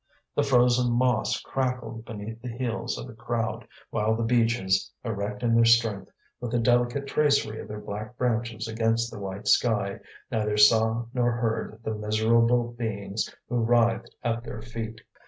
The frozen moss crackled beneath the heels of the crowd, while the beeches, erect in their strength, with the delicate tracery of their black branches against the white sky, neither saw nor heard the miserable beings who writhed at their feet.